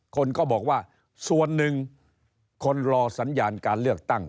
คนก็บอกว่าส่วนหนึ่งคนรอสัญญาณการเลือกตั้ง